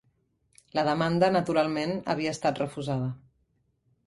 La demanda, naturalment, havia estat refusada.